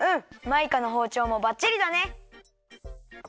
マイカのほうちょうもばっちりだね！